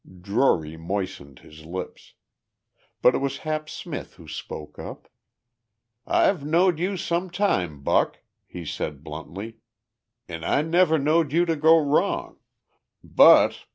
Drury moistened his lips. But it was Hap Smith who spoke up. "I've knowed you some time, Buck," he said bluntly. "An' I never knowed you to go wrong. But